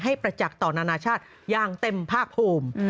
ประจักษ์ต่อนานาชาติอย่างเต็มภาคภูมิ